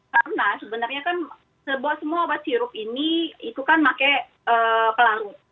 karena sebenarnya kan semua obat sirup ini itu kan pakai pelarut